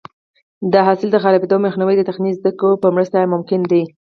د حاصل د خرابېدو مخنیوی د تخنیکي زده کړو په مرسته ممکن دی.